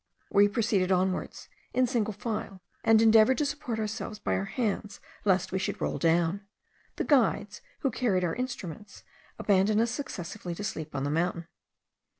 We proceeded onwards, in single file, and endeavoured to support ourselves by our hands, lest we should roll down. The guides, who carried our instruments, abandoned us successively, to sleep on the mountain.